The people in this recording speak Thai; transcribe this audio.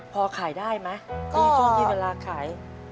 พอขายได้ไหมที่ที่เวลาขาย